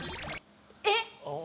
えっ！？